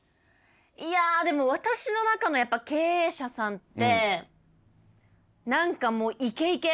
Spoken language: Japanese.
いやでも私の中の経営者さんって何かもうイケイケ！